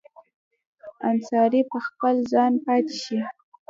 انحصار په خپل ځای پاتې شي.